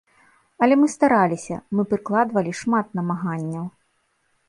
Але мы стараліся, мы прыкладвалі шмат намаганняў.